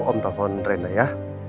om telfon rena ya